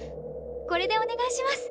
これでお願いします！